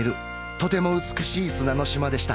とても美しい砂の島でした